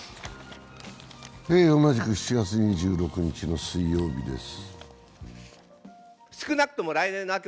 同じく７月２６日の水曜日です